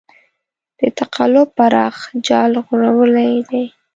د تقلب پراخ جال غوړولی دی.